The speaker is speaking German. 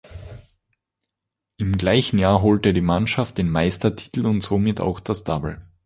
Im gleichen Jahr holte die Mannschaft den Meistertitel und somit auch das Double.